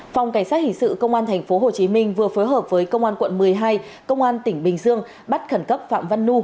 phòng cảnh sát hình sự công an tp hcm vừa phối hợp với công an quận một mươi hai công an tỉnh bình dương bắt khẩn cấp phạm văn nu